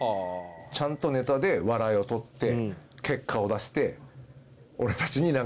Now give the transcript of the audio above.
ちゃんとネタで笑いをとって結果を出して俺たちに。